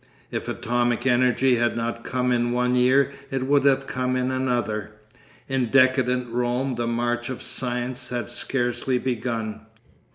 If atomic energy had not come in one year it would have come in another. In decadent Rome the march of science had scarcely begun....